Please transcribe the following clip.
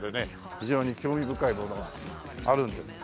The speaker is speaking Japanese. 非常に興味深いものがあるんで。